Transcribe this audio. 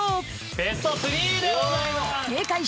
ベスト３でございます！